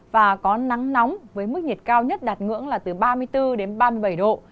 và có nắng nóng với mức nhiệt cao nhất đạt ngưỡng là từ ba mươi bốn đến ba mươi bảy độ